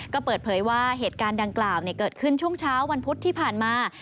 ก็เปิดเผยว่าเหตุการณ์ดังกล่าวเกิดขึ้นช่วงเช้าวันพุธที่ผ่านมา